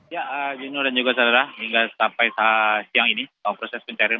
ya junior dan juga saudara hingga sampai siang ini proses pencarian